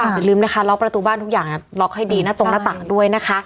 อย่าลืมนะคะล็อคประตูบ้านล็อคให้ดีตรงหน้าต่างด้วยนะคะ